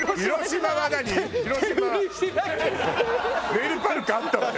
メルパルクあったわよ。